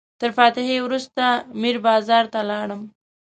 تر فاتحې وروسته میر بازار ته لاړم.